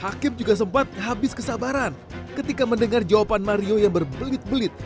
hakim juga sempat habis kesabaran ketika mendengar jawaban mario yang berbelit belit